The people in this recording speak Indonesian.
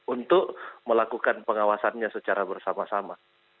untuk melakukan pengawasannya secara bersama sama